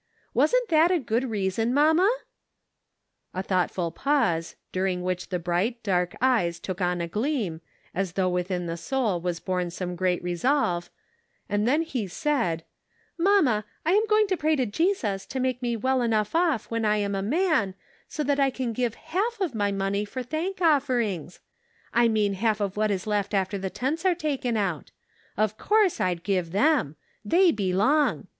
Wasn't that a good reason, mamma ?" A thoughtful pause, during which the bright, dark eyes took on a gleam, as though within the soul was born some great re '•Good Measure." 515 solve, and then he said :" Mamma, I am going to pray to Jesus to make me well enough off when I'm a man so that I can give half of my money for thank offerings. I mean half of what is left after the tenths are taken out: of course I'd give them; they belong.